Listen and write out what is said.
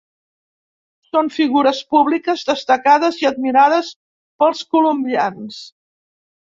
Són figures públiques destacades i admirades pels colombians.